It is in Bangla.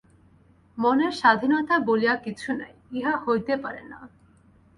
মনের স্বাধীনতা বলিয়া কিছু নাই, ইহা হইতে পারে না।